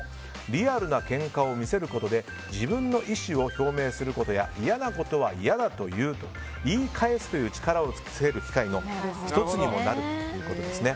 リアルなけんかを見せることで自分の意思を表明することや嫌なことは嫌だと言うと言い返す力をつける１つにもなるということです。